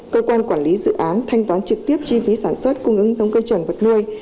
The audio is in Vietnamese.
cơ quan quản lý dự án thanh toán trực tiếp chi phí sản xuất cung ứng giống cây trồng vật nuôi